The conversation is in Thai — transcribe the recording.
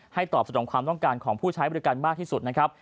ให้ตอบสตรงความต้องการของผู้ใช้ประกันภายรถยนต์มากที่สุดนะครับ